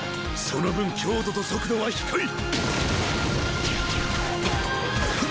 その分強度と速度は低い。